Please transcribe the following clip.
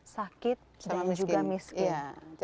sakit dan juga miskin